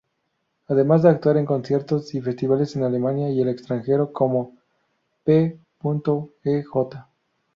Además de actuar en conciertos y Festivales en Alemania y el extranjero, como p.ej.